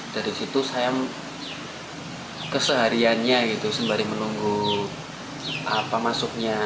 dari situ saya kesehariannya gitu sembari menunggu apa masuknya